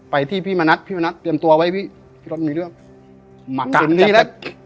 ไปที่พี่มานัดพี่มานัดเตรียมตัวไว้พี่พี่รถมีเรื่องมาเต็มที่แหละ